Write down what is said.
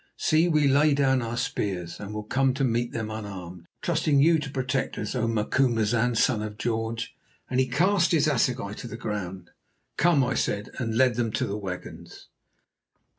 See, we lay down our spears and will come to meet them unarmed, trusting to you to protect us, O Macumazahn, Son of George," and he cast his assegai to the ground. "Come," I said, and led them to the wagons.